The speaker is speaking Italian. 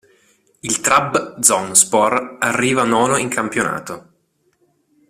Il Trabzonspor arriva nono in campionato.